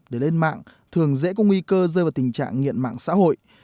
để lên mạng thường dễ có nguy cơ rơi vào tình trạng nghiện mạng xã hội